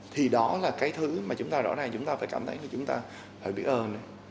thì đó là cái thứ mà chúng ta rõ ràng chúng ta phải cảm thấy là chúng ta biết ơn